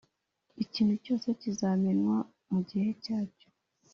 ikintu cyose kizamenywa mu gihe cyacyo.